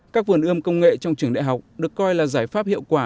các vườn ươm công nghệ trong trường đại học được coi là giải pháp hiệu quả